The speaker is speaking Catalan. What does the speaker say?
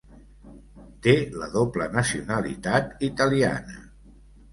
Té la doble nacionalitat italiana.